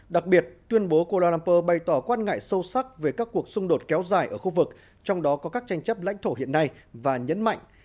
đặc biệt tuyên bố kuampur bày tỏ quan ngại sâu sắc về các cuộc xung đột kéo dài ở khu vực trong đó có các tranh chấp lãnh thổ hiện nay và nhấn mạnh